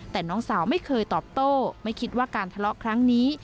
แต่น้องสาวไม่เคยตอบโต้ไม่คิดว่าการทะเลาะครั้งนี้